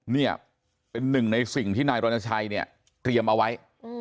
เนี่ยเป็นหนึ่งในสิ่งที่นายรณชัยเนี่ยเตรียมเอาไว้